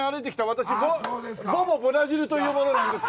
私ボボ・ブラジルという者なんです。